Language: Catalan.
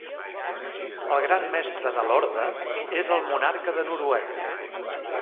El Gran Mestre de l'Orde és el Monarca de Noruega.